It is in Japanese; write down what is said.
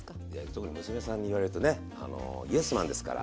特に娘さんに言われるとねあのイエスマンですから。